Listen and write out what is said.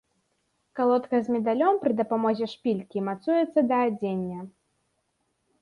Калодка з медалём пры дапамозе шпількі мацуецца да адзення.